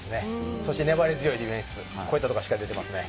そして粘り強いディフェンス、こういったところがしっかり出ています。